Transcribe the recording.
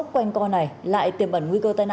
của công an tp hcm